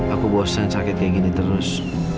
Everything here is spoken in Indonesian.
aku bosan sakit kayak gini terus